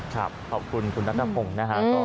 ครับขอบคุณคุณทัศนภงนะครับ